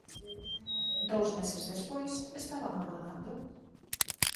Dous meses despois estabamos rodando.